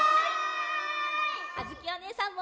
あづきおねえさんも！